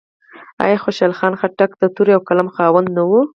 آیا خوشحال خان خټک د تورې او قلم خاوند نه و؟